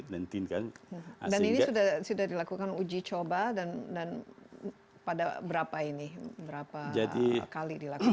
dan ini sudah dilakukan uji coba dan pada berapa ini berapa kali dilakukan